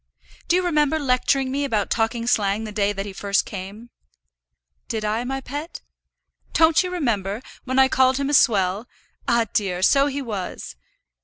Do you remember lecturing me about talking slang the day that he first came?" "Did I, my pet?" "Don't you remember, when I called him a swell? Ah, dear! so he was.